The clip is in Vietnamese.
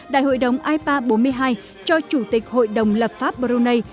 đại hội đồng ipa bốn mươi hai cho chủ tịch hội đồng lập pháp brunei